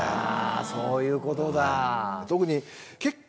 そういうことだ。